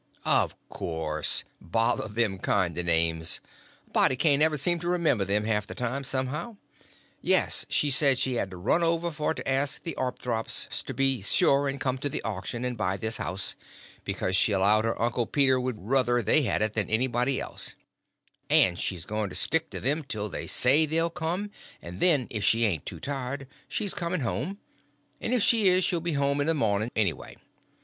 "Of course; bother them kind of names, a body can't ever seem to remember them, half the time, somehow. Yes, she said, say she has run over for to ask the Apthorps to be sure and come to the auction and buy this house, because she allowed her uncle Peter would ruther they had it than anybody else; and she's going to stick to them till they say they'll come, and then, if she ain't too tired, she's coming home; and if she is, she'll be home in the morning anyway.